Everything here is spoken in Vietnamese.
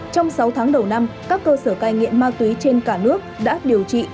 trong sáu tháng đầu năm các cơ sở cai nghiện ma túy trên cả nước đã điều trị